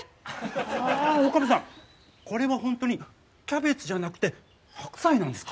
ああ岡部さんこれは本当にキャベツじゃなくて白菜なんですか？